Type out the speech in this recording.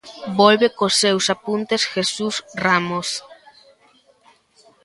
Volve cos seus apuntes Jesús Ramos.